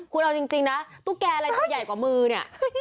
คุณเอาจริงนะตุ๊กแกอะไรจะใหญ่กว่ามือเนี่ย